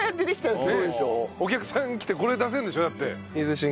お客さん来てこれ出せるんでしょ？だって。